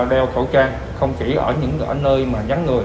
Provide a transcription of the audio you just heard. thì đeo khẩu trang không chỉ ở những nơi mà nhắn người